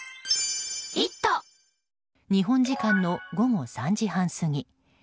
日本時間の午後３時半過ぎ。